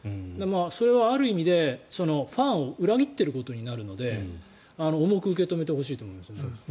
それは、ある意味でファンを裏切っていることになるので重く受け止めてほしいと思います。